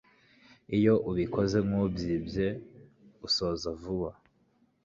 iyo ubikoze nk'ubyibye usoza vuba